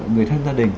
người thân gia đình